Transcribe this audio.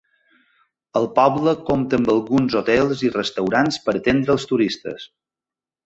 El poble compta amb alguns hotels i restaurants per atendre als turistes.